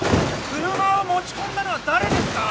車を持ち込んだのは誰ですか？